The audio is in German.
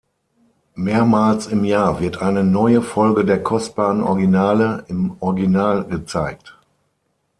Mehrmals im Jahr wird eine neue Folge der kostbaren Originale im Original gezeigt.